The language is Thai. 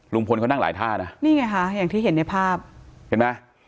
ลุงพลเขานั่งหลายท่านะนี่ไงค่ะอย่างที่เห็นในภาพเห็นไหม